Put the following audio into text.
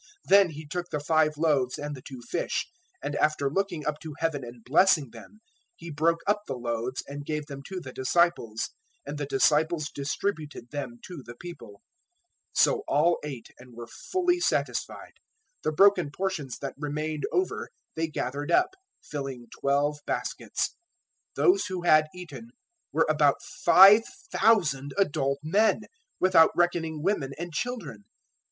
Then He took the five loaves and the two fish, and after looking up to heaven and blessing them, He broke up the loaves and gave them to the disciples, and the disciples distributed them to the people. 014:020 So all ate, and were fully satisfied. The broken portions that remained over they gathered up, filling twelve baskets. 014:021 Those who had eaten were about 5,000 adult men, without reckoning women and children.